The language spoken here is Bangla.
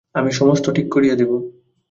আমি সমস্ত ঠিক করিয়া দিব।